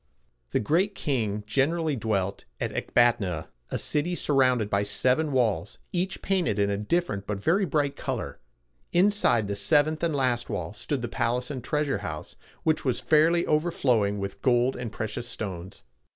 The Great King generally dwelt at Ec bat´a na, a city surrounded by seven walls, each painted in a different but very bright color. Inside the seventh and last wall stood the palace and treasure house, which was fairly overflowing with gold and precious stones.